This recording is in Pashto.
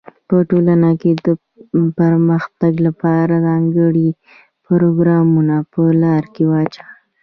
په ټولنه کي د پرمختګ لپاره ځانګړي پروګرامونه په لاره واچوی.